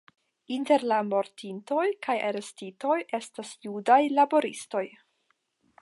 Inter la mortintoj kaj arestitoj estas judaj laboristoj.